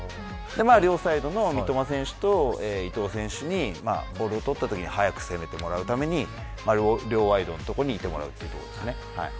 両サイドの三笘選手と伊東選手にボールを取ったときに速く攻めてもらうために両ワイドにいてもらっています。